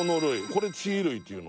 これで地衣類っていうの？